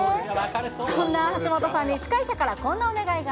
そんな橋本さんに、司会者からこんなお願いが。